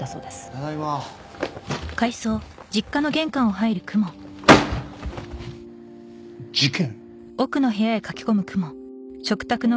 ただいま事件？